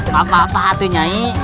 gak apa apa atu nyai